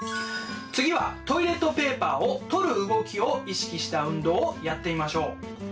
次はトイレットペーパーを取る動きを意識した運動をやってみましょう。